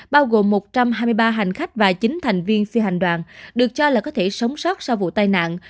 bao gồm một trăm hai mươi ba hành khách và chín thành viên phi hành đoàn được cho là có thể sống sót sau vụ tai nạn